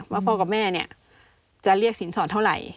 พ่อกับแม่เนี่ยจะเรียกสินสอดเท่าไหร่